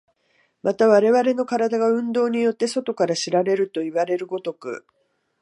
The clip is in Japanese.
また我々の身体が運動によって外から知られるといわれる如く、